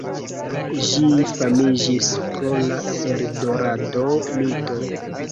Ĝi famiĝis pro la Eldorado-mito.